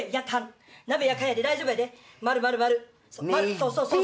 そうそうそう！